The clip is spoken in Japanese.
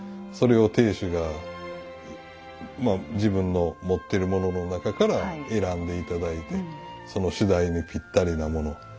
それを亭主が自分の持ってるものの中から選んで頂いてその主題にぴったりなもの